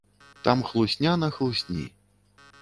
Там хлусня на хлусні.